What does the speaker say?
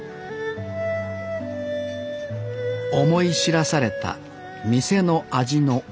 思い知らされた店の味の重み。